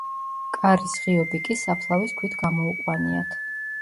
კარის ღიობი კი საფლავის ქვით გამოუყვანიათ.